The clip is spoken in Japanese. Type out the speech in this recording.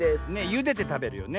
ゆでてたべるよね。